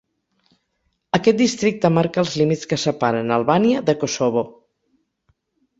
Aquest districte marca els límits que separen Albània de Kosovo.